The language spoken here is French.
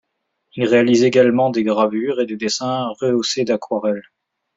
Il réalise également des gravures et des dessins rehaussés d'aquarelles.